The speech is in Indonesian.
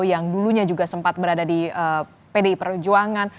yang dulunya juga sempat berada di pdi perjuangan